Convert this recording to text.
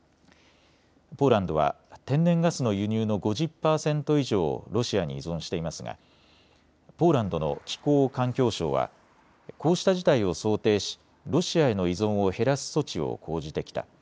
ポーランドは天然ガスの輸入の５０％以上をロシアに依存していますがポーランドの気候・環境相はこうした事態を想定しロシアへの依存を減らす措置を講じてきた。